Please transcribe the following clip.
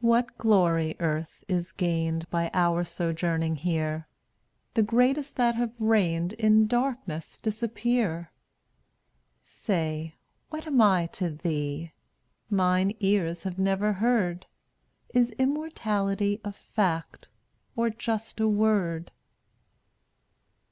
195 What glory, Earth, is gained By our sojourning here? The greatest that have reigned In darkness disappear. Say, what am I to Thee? Mine ears have never heard. Is immortality A fact, or just a word?